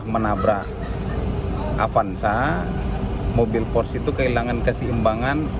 menabrak avanza mobil porsche itu kehilangan kesimbangan